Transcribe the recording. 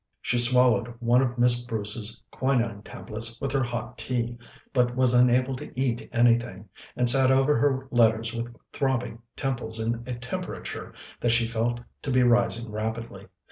She swallowed one of Miss Bruce's quinine tablets with her hot tea, but was unable to eat anything, and sat over her letters with throbbing temples and a temperature that she felt to be rising rapidly.